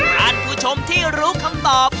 ท่านผู้ชมที่รู้คำตอบ